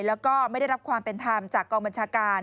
แล้วก็ไม่ได้รับความเป็นธรรมจากกองบัญชาการ